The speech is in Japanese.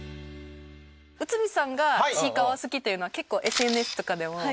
内海さんが『ちいかわ』好きっていうのは結構ＳＮＳとかでも。